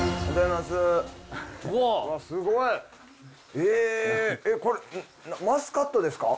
ええっこれマスカットですか？